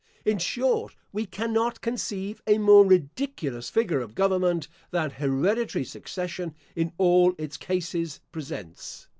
In short, we cannot conceive a more ridiculous figure of government, than hereditary succession, in all its cases, presents.